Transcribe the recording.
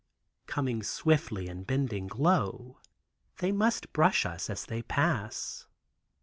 Coming swiftly, and bending low, they must brush us as they pass.